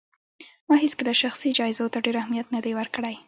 ما هيڅکله شخصي جايزو ته ډېر اهمیت نه دی ورکړی